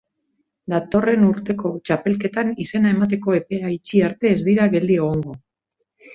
Datorren urteko txapelketan izena emateko epea itxi arte ez dira geldi egongo.